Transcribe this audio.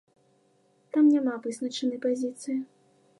Там няма вызначанай пазіцыі.